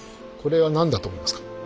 これは何だと思いますか？